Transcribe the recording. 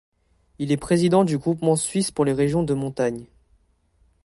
Il est président du groupement suisse pour les régions de montagne.